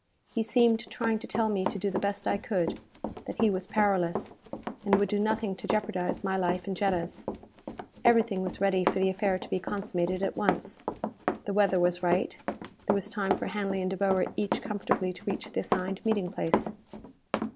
He seemed trying to tell me to do the best I could; that he was powerless, and would do nothing to jeopardize my life and Jetta's. Everything was ready for the affair to be consummated at once. The weather was right; there was time for Hanley and De Boer each comfortably to reach the assigned meeting place.